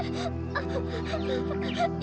mau ikutan main bola